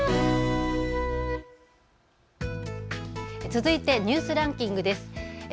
続いてニュースランキングです。